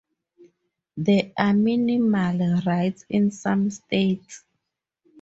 There are minimal rights in some states.